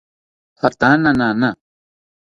Jatana nana